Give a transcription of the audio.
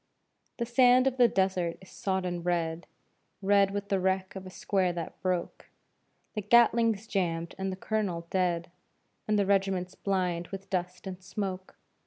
The sand of the desert is sodden red Red with the wreck of a square that broke; The Gatling's jammed and the colonel dead, And the regiment's blind with dust and smoke.